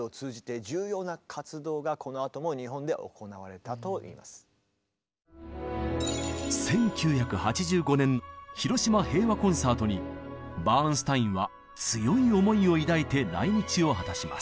そんなご縁もあって１９８５年広島平和コンサートにバーンスタインは強い思いを抱いて来日を果たします。